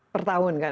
pertahun kan ya